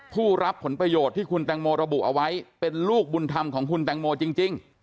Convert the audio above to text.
ผู้รับผลประโยชน์ที่คุณแตงโมระบุเอาไว้เป็นลูกบุญธรรมของคุณแตงโมจริง